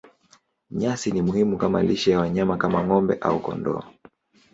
Nyasi ni muhimu kama lishe ya wanyama kama ng'ombe au kondoo.